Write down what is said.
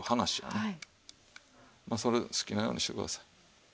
まあそれ好きなようにしてください。